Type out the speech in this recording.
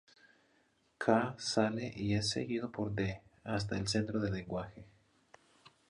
K. sale y es seguido por D. hasta el centro de lenguaje.